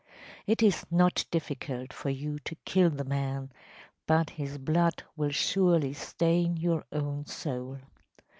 It is not difficult for you to kill the man, but his blood will surely stain your own soul.